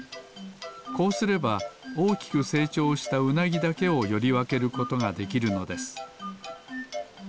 こうすればおおきくせいちょうしたウナギだけをよりわけることができるのです。